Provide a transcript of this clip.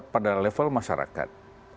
pada level masyarakat